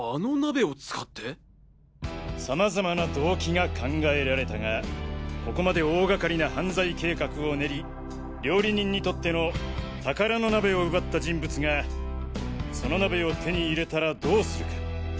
様々な動機が考えられたがここまで大がかりな犯罪計画を練り料理人にとっての宝の鍋を奪った人物がその鍋を手に入れたらどうするか？